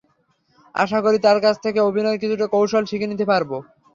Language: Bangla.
আশা করি তাঁর কাছ থেকে অভিনয়ের কিছু কৌশল শিখে নিতে পারব।